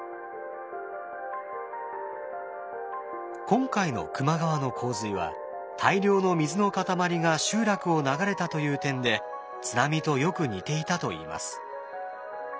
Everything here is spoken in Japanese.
今回の球磨川の洪水は大量の水の塊が集落を流れたという点で津波とよく似ていたといいます。